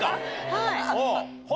はい。